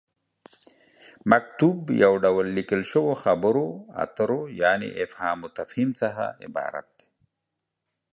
مکتوب: یو ډول ليکل شويو خبرو اترو یعنې فهام وتفهيم څخه عبارت دی